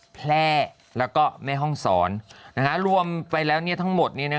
แพร่แล้วก็แม่ห้องศรรวมไปแล้วทั้งหมด